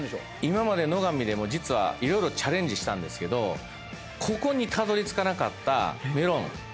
今まで乃が美でも実は色々チャレンジしたんですけどここにたどりつかなかったメロン。